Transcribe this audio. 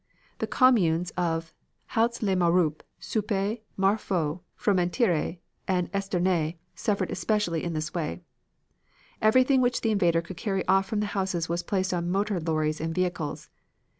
The Communes of Heiltz le Maurupt, Suippes, Marfaux, Fromentieres and Esternay suffered especially in this way. Everything which the invader could carry off from the houses was placed on motor lorries and vehicles.